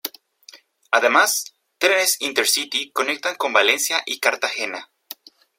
Además, trenes Intercity conectan con Valencia y Cartagena.